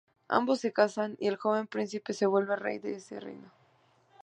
Ambos se casan y el joven príncipe se vuelve rey de ese reino.